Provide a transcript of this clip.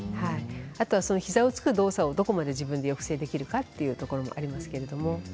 あとは膝をつく動作をどこまで自分で抑制できるかというところもありますけれども。